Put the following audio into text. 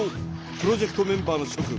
プロジェクトメンバーのしょ君。